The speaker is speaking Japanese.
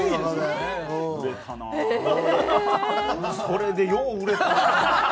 それでよう売れたな。